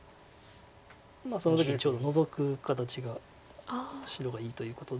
その時にちょうどノゾく形が白がいいということで。